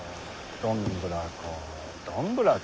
どんぶらこどんぶらこ。